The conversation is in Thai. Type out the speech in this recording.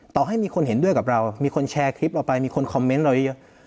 ต่อให้มีคนเห็นด้วยกับเรามีคนแชร์คลิปเราไปมีคนคอมเมนต์เราเยอะ